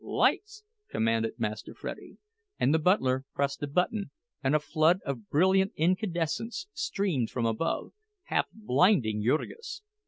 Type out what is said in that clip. "Lights," commanded Master Freddie; and the butler pressed a button, and a flood of brilliant incandescence streamed from above, half blinding Jurgis.